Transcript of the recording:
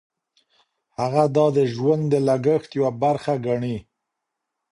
هغه دا د ژوند د لګښت یوه برخه ګڼي.